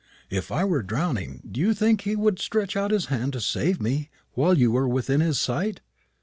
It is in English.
"If I were drowning, do you think he would stretch out his hand to save me while you were within his sight?